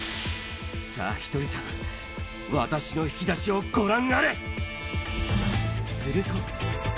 さあ、ひとりさん、私の引き出しすると。